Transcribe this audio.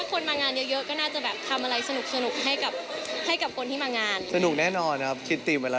คนรอบตัวเราเนี่ยมีแต่คนเป็นนักร้องอะไรอย่างเงี้ยค่ะ